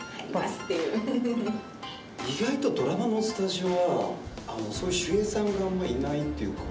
意外とドラマのスタジオはそういう守衛さんがあんまいないっていうか。